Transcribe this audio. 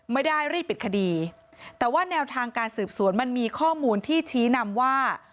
ไม่ได้รีบปิดคดีแต่ว่าแนวทางการสืบสวนมันมีข้อมูลที่ชี้นำว่า